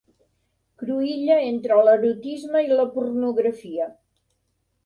Cruïlla entre l'erotisme i la pornografia.